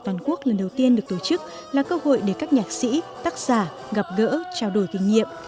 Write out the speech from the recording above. toàn quốc lần đầu tiên được tổ chức là cơ hội để các nhạc sĩ tác giả gặp gỡ trao đổi kinh nghiệm